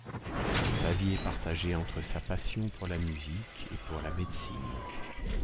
Sa vie est partagée entre sa passion pour la musique et pour la médecine.